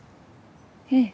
ええ。